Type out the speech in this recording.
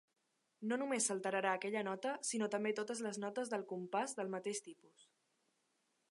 No només s'alterarà aquella nota sinó també totes les notes del compàs del mateix tipus.